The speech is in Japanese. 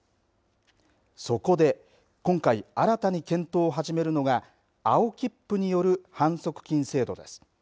そこで今回、新たに検討を始めるのが青切符による反則金制度です。